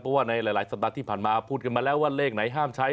เพราะว่าในหลายสัปดาห์ที่ผ่านมาพูดกันมาแล้วว่าเลขไหนห้ามใช้